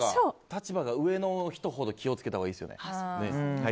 立場が上の人ほど気を付けたほうがいいですよね。